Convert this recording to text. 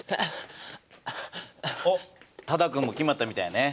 おっ多田くんも決まったみたいやね。